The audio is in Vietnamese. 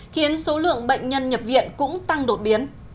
khiến số lượng bệnh nhân nhập viện cũng tăng đột biến